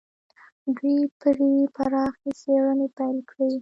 دوی پرې پراخې څېړنې پيل کړې.